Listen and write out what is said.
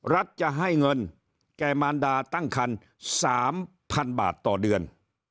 รัฐจะให้เงินแก่มารดาตั้งคัน๓๐๐๐บาทต่อเดือน